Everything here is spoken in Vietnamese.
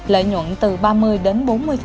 lợi nhuận từ ba mươi đến bốn mươi